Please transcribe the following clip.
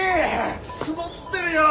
積もってるよ。